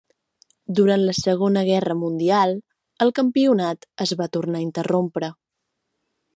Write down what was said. Durant la Segona Guerra Mundial el campionat es va tornar a interrompre.